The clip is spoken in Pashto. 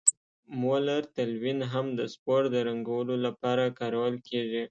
مولر تلوین هم د سپور د رنګولو لپاره کارول کیږي.